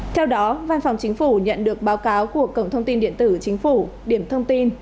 theo đó văn phòng chính phủ nhận được báo cáo của cổng thông tin điện tử chính phủ điểm thông tin